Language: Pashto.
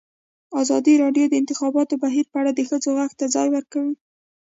ازادي راډیو د د انتخاباتو بهیر په اړه د ښځو غږ ته ځای ورکړی.